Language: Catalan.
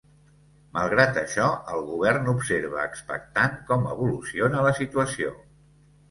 Malgrat això, el govern observa expectant com evoluciona la situació.